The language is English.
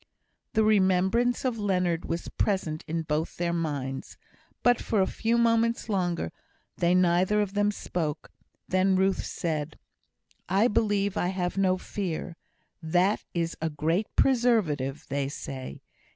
The remembrance of Leonard was present in both their minds; but for a few moments longer they neither of them spoke. Then Ruth said: "I believe I have no fear. That is a great preservative, they say.